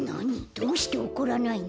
どうして怒らないの？